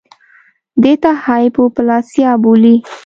دې ته هایپوپلاسیا بولي